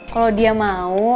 kalo dia mau